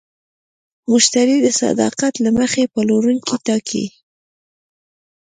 مشتری د صداقت له مخې پلورونکی ټاکي.